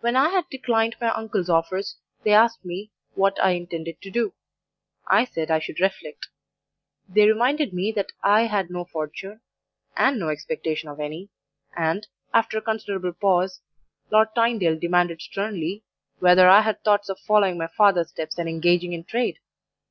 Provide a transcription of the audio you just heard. "When I had declined my uncles' offers they asked me 'what I intended to do?' I said I should reflect. They reminded me that I had no fortune, and no expectation of any, and, after a considerable pause, Lord Tynedale demanded sternly, 'Whether I had thoughts of following my father's steps and engaging in trade?